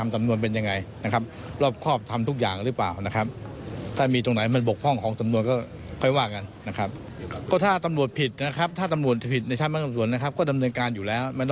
ตอนนี้ได้ส่วนชื่อ